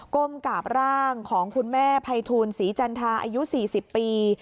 ก้มกราบร่างของคุณแม่ภัยทูลศรีจันทาอายุ๔๐ปี